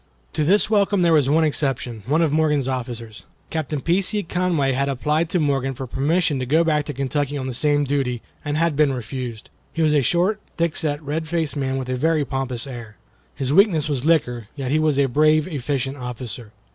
To this welcome there was one exception. One of Morgan's officers, Captain P. C. Conway, had applied to Morgan for permission to go back to Kentucky on this same duty, and had been refused. He was a short, thickset, red faced man with a very pompous air. His weakness was liquor; yet he was a brave, efficient officer.